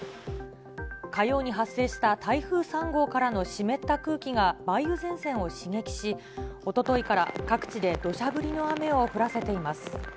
火曜に発生した台風３号からの湿った空気が梅雨前線を刺激し、おとといから各地でどしゃ降りの雨を降らせています。